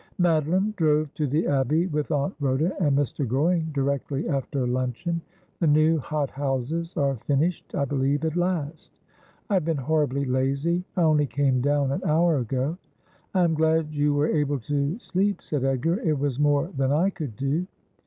' Madeline drove to the Abbey with Aunt Rhoda and Mr. Goring directly after luncheon. The new hot houses are finished, I believe, at last. I have been horribly lazy. I only came down an hour ago.' ' I am glad you were able to sleep,' said Edgar. ' It was more than I could do.'